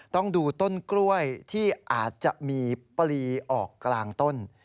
ต้องดูต้นกล้วยที่อาจจะมีปลีออกกลางต้น